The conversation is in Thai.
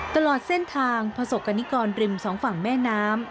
ตลอดเส้นทางประสบกรณิกรริมสองฝั่งแม่น้ำ